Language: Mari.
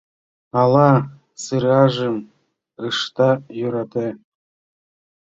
Ала сыражым ышда йӧрате